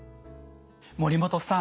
森本さん